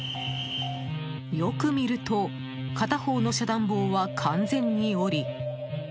よく見ると片方の遮断棒は完全に下り